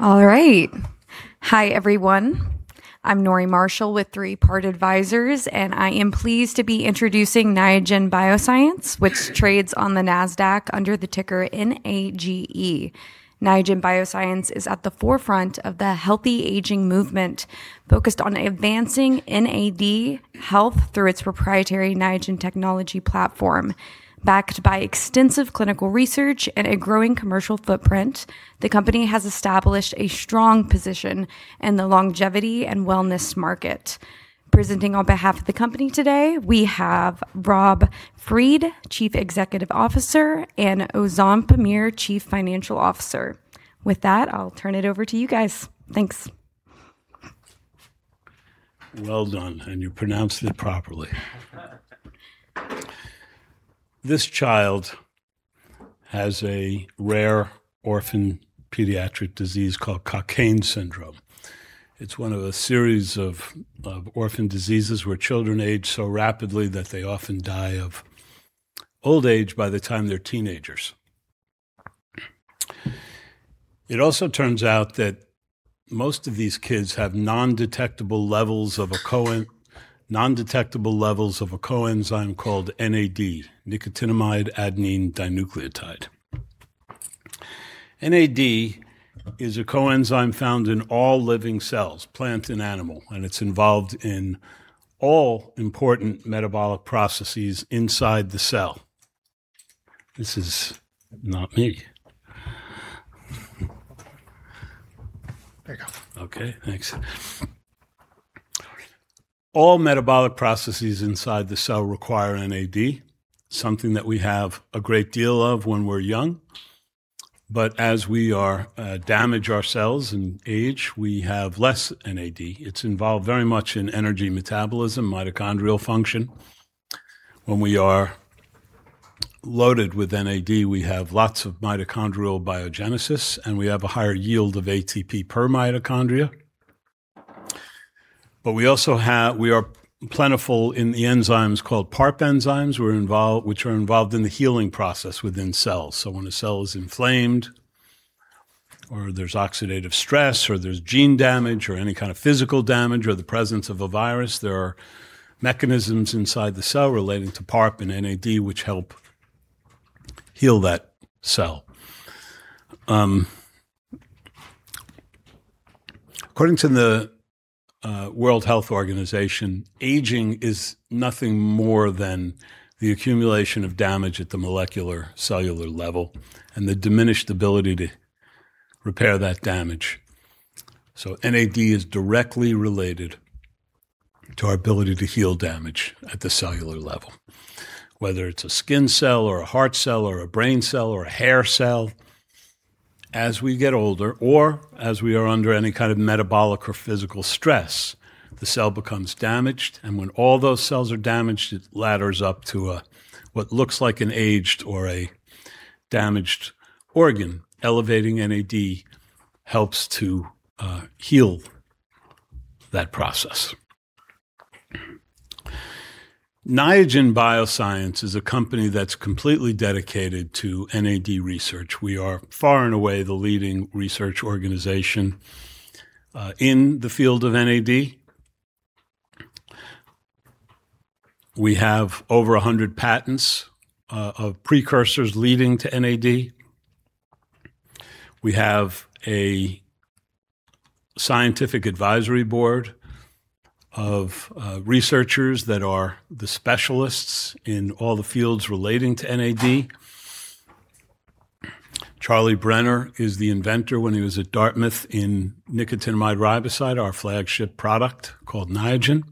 All right. Hi, everyone. I'm Norie Marshall with Three Part Advisors. I am pleased to be introducing Niagen Bioscience, which trades on the Nasdaq under the ticker NAGE. Niagen Bioscience is at the forefront of the healthy aging movement, focused on advancing NAD health through its proprietary Niagen technology platform. Backed by extensive clinical research and a growing commercial footprint, the company has established a strong position in the longevity and wellness market. Presenting on behalf of the company today, we have Rob Fried, Chief Executive Officer, and Ozan Pamir, Chief Financial Officer. I'll turn it over to you guys. Thanks. Well done. You pronounced it properly. This child has a rare orphan pediatric disease called Cockayne syndrome. It's one of a series of orphan diseases where children age so rapidly that they often die of old age by the time they're teenagers. It also turns out that most of these kids have non-detectable levels of a coenzyme called NAD, nicotinamide adenine dinucleotide. NAD is a coenzyme found in all living cells, plant and animal. It's involved in all important metabolic processes inside the cell. This is not me. There you go. Okay, thanks. All metabolic processes inside the cell require NAD, something that we have a great deal of when we're young. As we damage our cells and age, we have less NAD. It's involved very much in energy metabolism, mitochondrial function. When we are loaded with NAD, we have lots of mitochondrial biogenesis. We have a higher yield of ATP per mitochondria. We also are plentiful in the enzymes called PARP enzymes, which are involved in the healing process within cells. When a cell is inflamed, or there's oxidative stress, or there's gene damage, or any kind of physical damage, or the presence of a virus, there are mechanisms inside the cell relating to PARP and NAD, which help heal that cell. According to the World Health Organization, aging is nothing more than the accumulation of damage at the molecular, cellular level and the diminished ability to repair that damage. NAD is directly related to our ability to heal damage at the cellular level, whether it's a skin cell or a heart cell or a brain cell or a hair cell. As we get older or as we are under any kind of metabolic or physical stress, the cell becomes damaged. When all those cells are damaged, it ladders up to what looks like an aged or a damaged organ. Elevating NAD helps to heal that process. Niagen Bioscience is a company that's completely dedicated to NAD research. We are far and away the leading research organization in the field of NAD. We have over 100 patents of precursors leading to NAD. We have a scientific advisory board of researchers that are the specialists in all the fields relating to NAD. Charlie Brenner is the inventor when he was at Dartmouth in nicotinamide riboside, our flagship product called Niagen.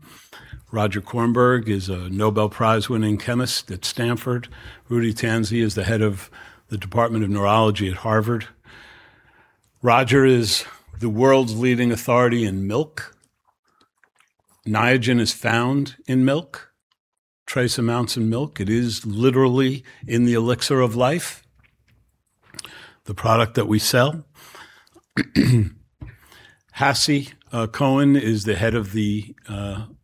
Roger Kornberg is a Nobel Prize-winning chemist at Stanford. Rudy Tanzi is the head of the Department of Neurology at Harvard. Roger is the world's leading authority in milk. Niagen is found in milk, trace amounts in milk. It is literally in the elixir of life, the product that we sell. Hassy Cohen is the head of the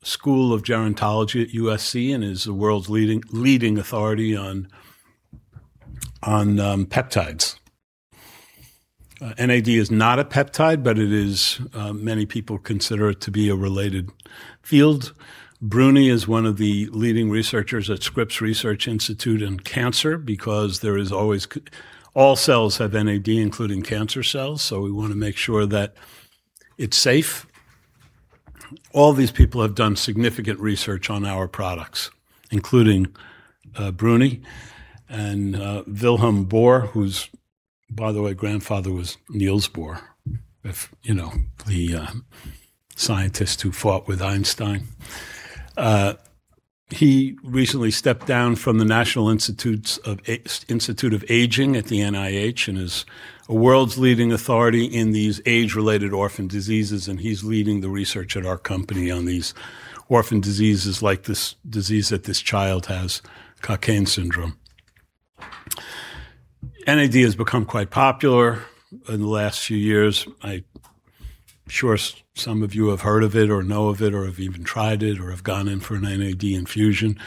School of Gerontology at USC and is the world's leading authority on peptides. NAD is not a peptide, but many people consider it to be a related field. Bruni is one of the leading researchers at Scripps Research in cancer because all cells have NAD, including cancer cells, so we want to make sure that it's safe. All these people have done significant research on our products, including Bruni and Vilhelm Bohr, whose, by the way, grandfather was Niels Bohr, the scientist who fought with Einstein. He recently stepped down from the National Institute on Aging at the NIH and is a world's leading authority in these age-related orphan diseases, and he's leading the research at our company on these orphan diseases like this disease that this child has, Cockayne syndrome. NAD has become quite popular in the last few years. I'm sure some of you have heard of it or know of it, or have even tried it, or have gone in for an NAD infusion.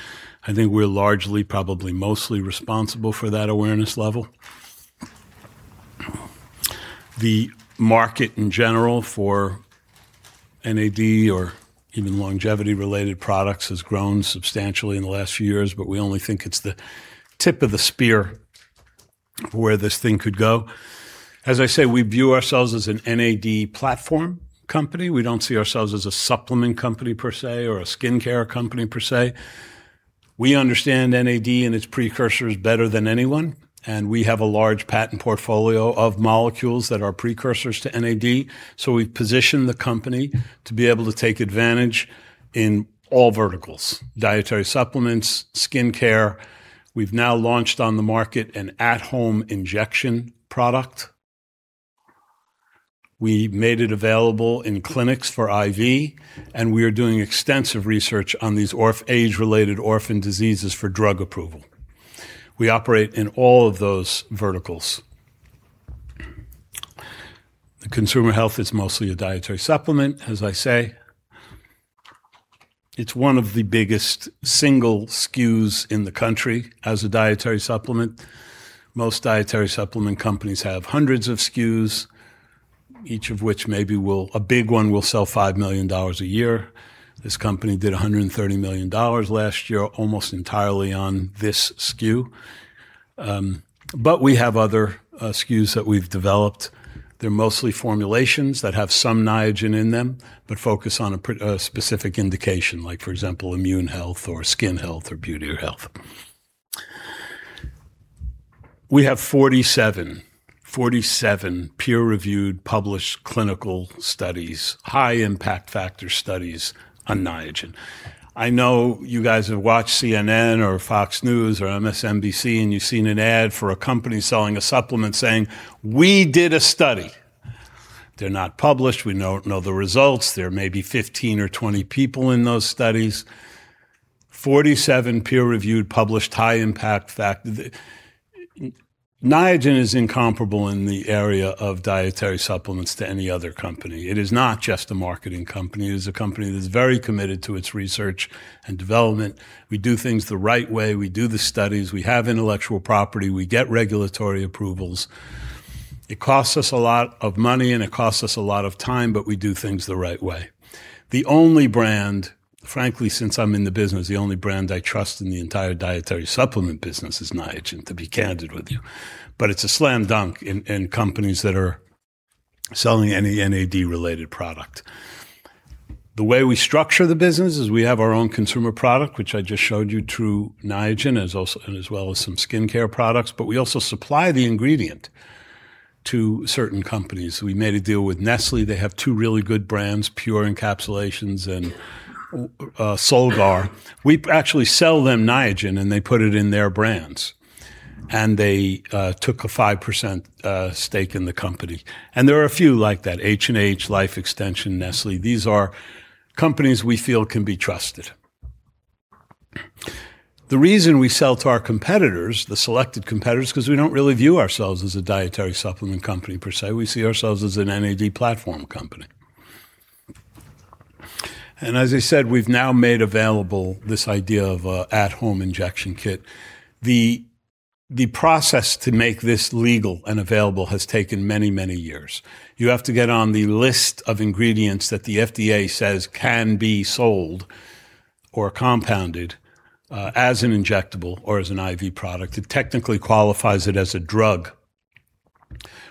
I think we're largely probably mostly responsible for that awareness level. The market in general for NAD or even longevity-related products has grown substantially in the last few years, but we only think it's the tip of the spear for where this thing could go. As I say, we view ourselves as an NAD platform company. We don't see ourselves as a supplement company per se, or a skincare company per se. We understand NAD and its precursors better than anyone, and we have a large patent portfolio of molecules that are precursors to NAD. We've positioned the company to be able to take advantage in all verticals, dietary supplements, skincare. We've now launched on the market an at-home injection product. We made it available in clinics for IV, and we are doing extensive research on these age-related orphan diseases for drug approval. We operate in all of those verticals. The consumer health is mostly a dietary supplement, as I say. It's one of the biggest single SKUs in the country as a dietary supplement. Most dietary supplement companies have hundreds of SKUs, each of which maybe a big one will sell $5 million a year. This company did $130 million last year almost entirely on this SKU. We have other SKUs that we've developed. They're mostly formulations that have some Niagen in them, but focus on a specific indication like for example, immune health or skin health or beauty or health. We have 47 peer-reviewed published clinical studies, high-impact factor studies on Niagen. I know you guys have watched CNN or Fox News or MSNBC, you've seen an ad for a company selling a supplement saying, "We did a study." They're not published. We don't know the results. There may be 15 or 20 people in those studies. 47 peer-reviewed published high-impact factor. Niagen is incomparable in the area of dietary supplements to any other company. It is not just a marketing company. It is a company that's very committed to its research and development. We do things the right way. We do the studies. We have intellectual property. We get regulatory approvals. It costs us a lot of money. It costs us a lot of time. We do things the right way. The only brand, frankly, since I'm in the business, the only brand I trust in the entire dietary supplement business is Niagen, to be candid with you. It's a slam dunk in companies that are selling any NAD-related product. The way we structure the business is we have our own consumer product, which I just showed you through Niagen, as well as some skincare products. We also supply the ingredient to certain companies. We made a deal with Nestlé. They have two really good brands, Pure Encapsulations and Solgar. We actually sell them Niagen, they put it in their brands. They took a 5% stake in the company. There are a few like that, H&H, Life Extension, Nestlé. These are companies we feel can be trusted. The reason we sell to our competitors, the selected competitors, because we don't really view ourselves as a dietary supplement company per se. We see ourselves as an NAD platform company. As I said, we've now made available this idea of an at-home injection kit. The process to make this legal and available has taken many, many years. You have to get on the list of ingredients that the FDA says can be sold or compounded, as an injectable or as an IV product. It technically qualifies it as a drug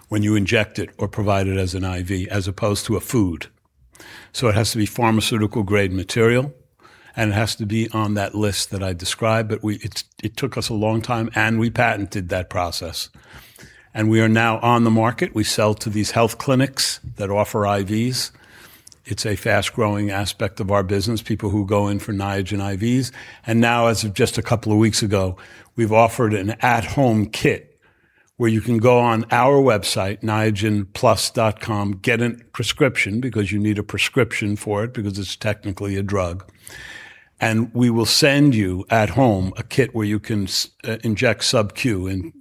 when you inject it or provide it as an IV as opposed to a food. It has to be pharmaceutical-grade material. It has to be on that list that I described. It took us a long time. We patented that process. We are now on the market. We sell to these health clinics that offer IVs. It's a fast-growing aspect of our business, people who go in for Niagen IVs. Now as of just a couple of weeks ago, we've offered an at-home kit where you can go on our website, niagenplus.com, get a prescription because you need a prescription for it because it's technically a drug. We will send you at home a kit where you can inject subQ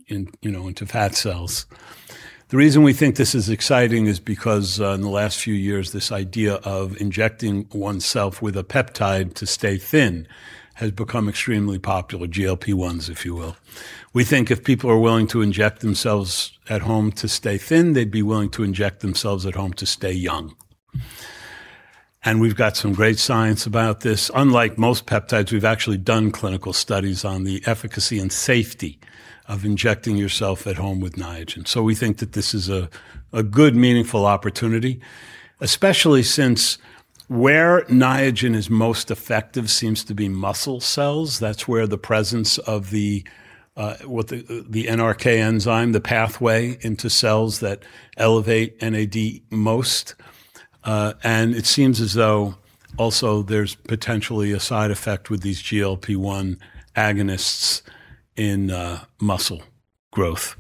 into fat cells. The reason we think this is exciting is because, in the last few years, this idea of injecting oneself with a peptide to stay thin has become extremely popular, GLP-1s if you will. We think if people are willing to inject themselves at home to stay thin, they'd be willing to inject themselves at home to stay young. We've got some great science about this. Unlike most peptides, we've actually done clinical studies on the efficacy and safety of injecting yourself at home with Niagen. We think that this is a good, meaningful opportunity, especially since where Niagen is most effective seems to be muscle cells. That's where the presence of the NRK enzyme, the pathway into cells that elevate NAD most. It seems as though also there's potentially a side effect with these GLP-1 agonists in muscle growth.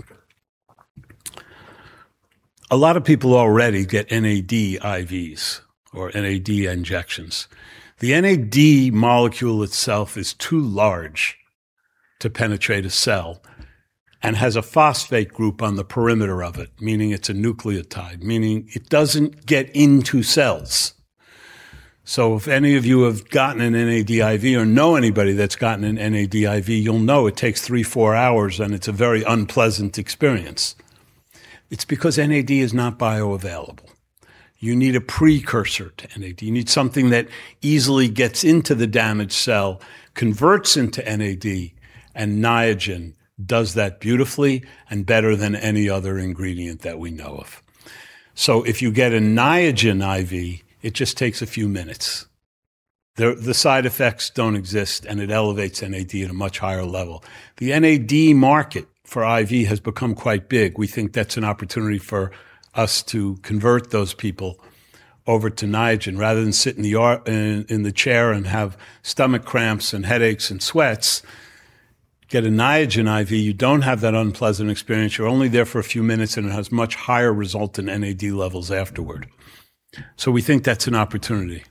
A lot of people already get NAD IVs or NAD injections. The NAD molecule itself is too large to penetrate a cell and has a phosphate group on the perimeter of it, meaning it's a nucleotide, meaning it doesn't get into cells. If any of you have gotten an NAD IV or know anybody that's gotten an NAD IV, you'll know it takes three, four hours, and it's a very unpleasant experience. It's because NAD is not bioavailable. You need a precursor to NAD. You need something that easily gets into the damaged cell, converts into NAD. Niagen does that beautifully and better than any other ingredient that we know of. If you get a Niagen IV, it just takes a few minutes. The side effects don't exist, and it elevates NAD at a much higher level. The NAD market for IV has become quite big. We think that's an opportunity for us to convert those people over to Niagen. Rather than sit in the chair and have stomach cramps and headaches and sweats, get a Niagen IV. You don't have that unpleasant experience. You're only there for a few minutes, and it has much higher result in NAD levels afterward. We think that's an opportunity.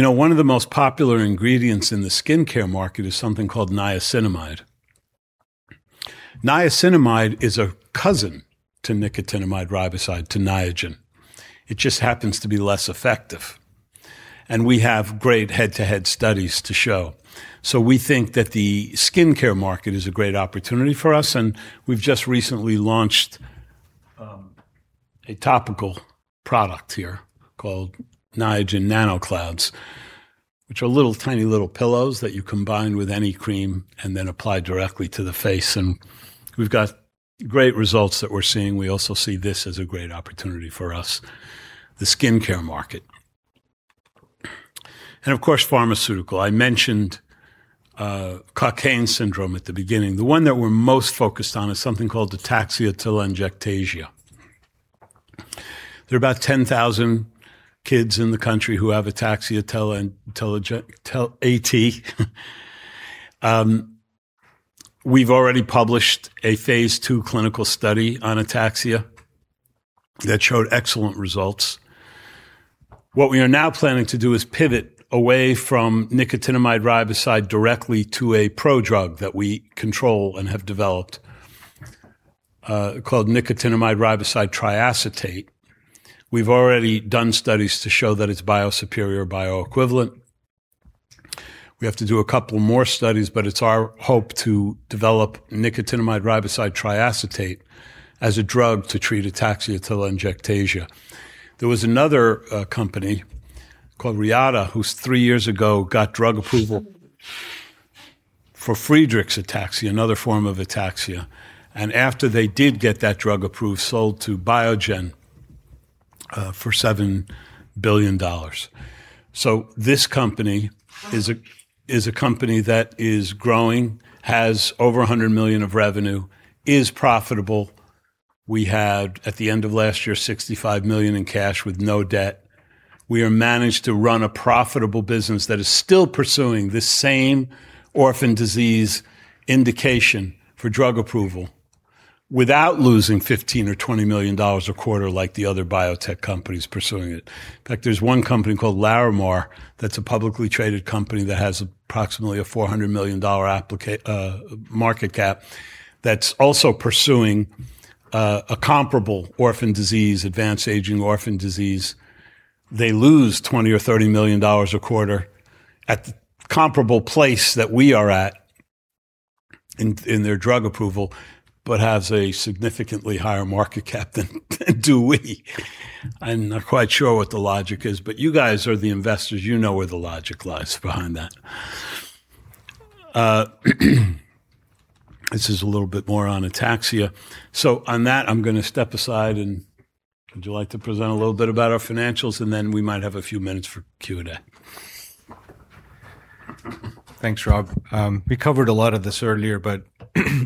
One of the most popular ingredients in the skincare market is something called niacinamide. Niacinamide is a cousin to nicotinamide riboside, to Niagen. It just happens to be less effective. We have great head-to-head studies to show. We think that the skincare market is a great opportunity for us. We've just recently launched a topical product here called Niagen Nanoclouds, which are tiny little pillows that you combine with any cream and then apply directly to the face. We've got great results that we're seeing. We also see this as a great opportunity for us, the skincare market. Of course, pharmaceutical. I mentioned Cockayne syndrome at the beginning. The one that we're most focused on is something called ataxia-telangiectasia. There are about 10,000 kids in the country who have ataxia AT. We've already published a phase II clinical study on ataxia that showed excellent results. What we are now planning to do is pivot away from nicotinamide riboside directly to a prodrug that we control and have developed called nicotinamide riboside triacetate. We've already done studies to show that it's biosuperior or bioequivalent. We have to do a couple more studies, but it's our hope to develop nicotinamide riboside triacetate as a drug to treat ataxia-telangiectasia. There was another company called Reata Pharmaceuticals, who 3 years ago got drug approval for Friedreich's ataxia, another form of ataxia. After they did get that drug approved, sold to Biogen for $7 billion. This company is a company that is growing, has over $100 million of revenue, is profitable. We had, at the end of last year, $65 million in cash with no debt. We have managed to run a profitable business that is still pursuing the same orphan disease indication for drug approval without losing $15 or $20 million a quarter like the other biotech companies pursuing it. In fact, there's one company called Larimar Therapeutics that's a publicly traded company that has approximately a $400 million market cap that's also pursuing a comparable orphan disease, advanced aging orphan disease. They lose $20 or $30 million a quarter at comparable place that we are at in their drug approval, but has a significantly higher market cap than do we. I'm not quite sure what the logic is, but you guys are the investors. You know where the logic lies behind that. This is a little bit more on ataxia. On that, I'm going to step aside, and would you like to present a little bit about our financials, and then we might have a few minutes for Q&A. Thanks, Rob Fried. We covered a lot of this earlier, but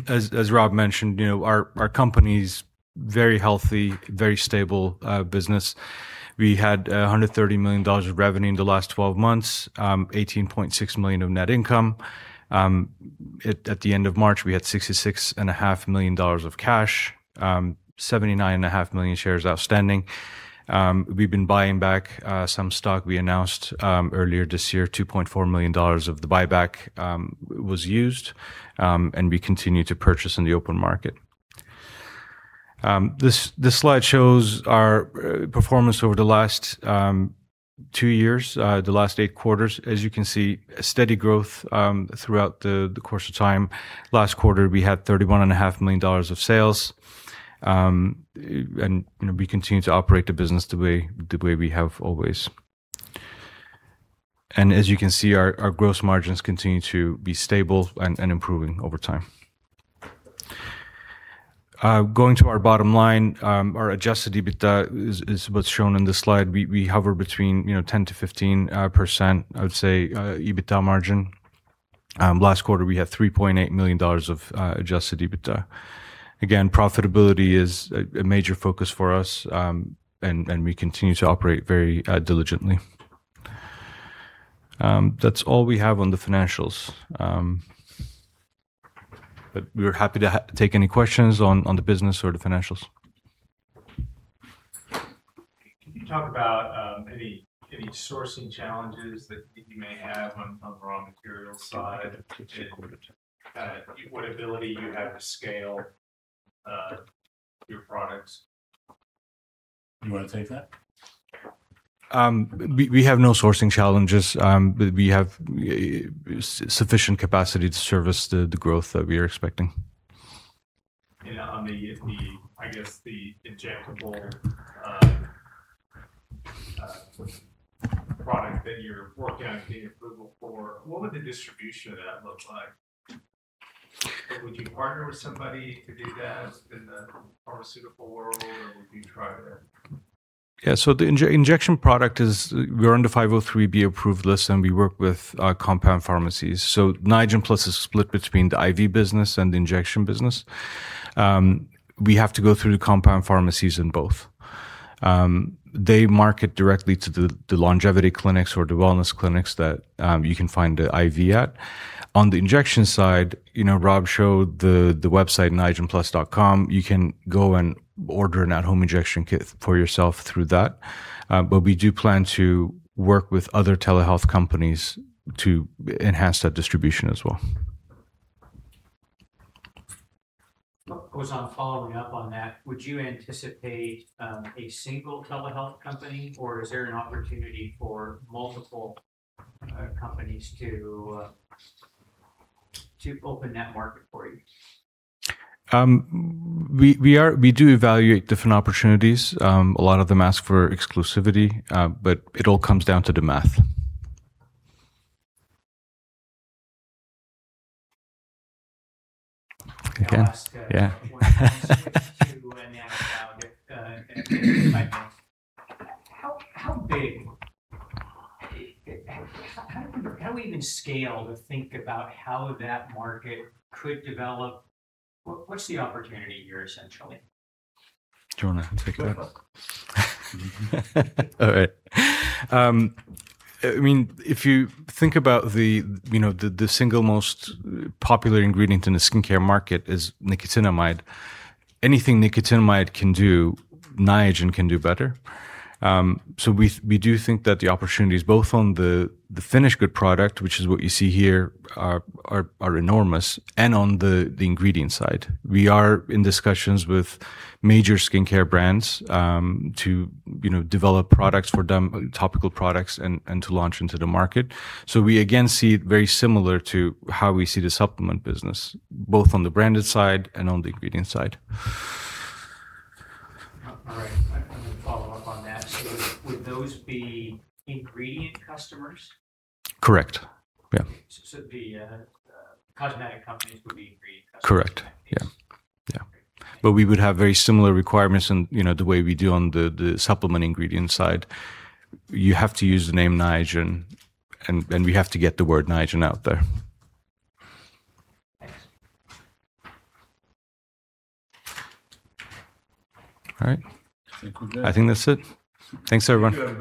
as Rob mentioned, our company's very healthy, very stable business. We had $130 million of revenue in the last 12 months, $18.6 million of net income. At the end of March, we had $66.5 million of cash, 79.5 million shares outstanding. We've been buying back some stock. We announced earlier this year, $2.4 million of the buyback was used, and we continue to purchase in the open market. This slide shows our performance over the last 2 years, the last 8 quarters. As you can see, a steady growth throughout the course of time. Last quarter, we had $31.5 million of sales. We continue to operate the business the way we have always. As you can see, our gross margins continue to be stable and improving over time. Going to our bottom line, our adjusted EBITDA is what's shown in this slide. We hover between 10%-15%, I would say, EBITDA margin. Last quarter, we had $3.8 million of adjusted EBITDA. Again, profitability is a major focus for us, and we continue to operate very diligently. That's all we have on the financials. We are happy to take any questions on the business or the financials. Can you talk about any sourcing challenges that you may have on the raw material side and what ability you have to scale your products? You want to take that? We have no sourcing challenges, we have sufficient capacity to service the growth that we are expecting. On the injectable product that you're working on getting approval for, what would the distribution of that look like? Would you partner with somebody to do that in the pharmaceutical world, or would you try to? The injection product is, we're on the 503B approved list, and we work with compound pharmacies. Niagen+ is split between the IV business and the injection business. We have to go through the compound pharmacies in both. They market directly to the longevity clinics or the wellness clinics that you can find the IV at. On the injection side, Rob showed the website niagenplus.com. You can go and order an at-home injection kit for yourself through that. We do plan to work with other telehealth companies to enhance that distribution as well. Ozan, following up on that, would you anticipate a single telehealth company, or is there an opportunity for multiple companies to open that market for you? We do evaluate different opportunities. A lot of them ask for exclusivity. It all comes down to the math. I'll ask one more to Andy and Mike. How do we even scale to think about how that market could develop? What's the opportunity here, essentially? Do you want to take that? All right. If you think about the single most popular ingredient in the skincare market is nicotinamide. Anything nicotinamide can do, Niagen can do better. We do think that the opportunities, both on the finished good product, which is what you see here, are enormous, and on the ingredient side. We are in discussions with major skincare brands to develop products for them, topical products, and to launch into the market. We, again, see it very similar to how we see the supplement business, both on the branded side and on the ingredient side. All right. I'm going to follow up on that. Would those be ingredient customers? Correct. Yeah. It'd be cosmetic companies would be ingredient customers. Correct. Yeah. We would have very similar requirements in the way we do on the supplement ingredient side. You have to use the name Niagen, and we have to get the word Niagen out there. Thanks. All right. I think we're good. I think that's it. Thanks, everyone.